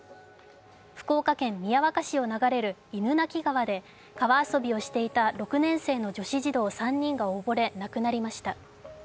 福岡県宮若市を流れる犬鳴川で川遊びをしていた６年生の女子児童３人が溺れ、亡くなりました。